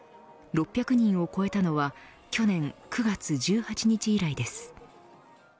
６００人を超えたのは去年９月１８日以来です。